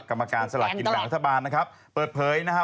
กรรมการสลากกินแบบอัธบาลเปิดเผยนะฮะ